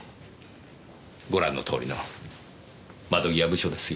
ご覧のとおりの窓際部署ですよ。